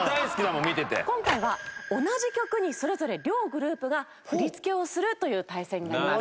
今回は同じ曲にそれぞれ両グループが振り付けをするという対戦になります。